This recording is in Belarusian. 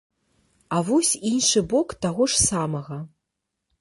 А вось іншы бок таго ж самага.